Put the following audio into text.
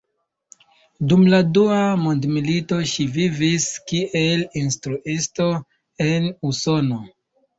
Dum la Dua Mondmilito ŝi vivis kiel instruisto en Usono.